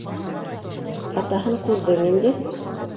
Атаһын күрҙең инде